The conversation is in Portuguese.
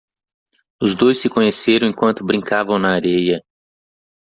Os dois se conheceram enquanto brincavam na areia.